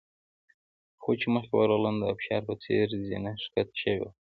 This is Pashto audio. خو چې مخکې ورغلم د ابشار په څېر زینه ښکته شوې وه.